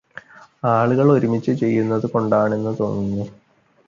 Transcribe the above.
ആളുകൾ ഒരുമിച്ചു ചെയ്യുന്നതു കൊണ്ടാണെന്ന് തോന്നുന്നു.